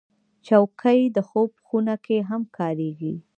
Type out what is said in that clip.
چوکۍ د خوب خونه کې هم کارېږي.